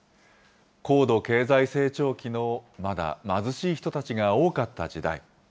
高度経済成長期の、まだ貧しい人たちが多かった時代。